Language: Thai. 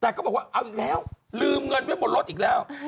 แต่ก็บอกว่าเอาอีกแล้วลืมเงินไว้บนรถอีกแล้ว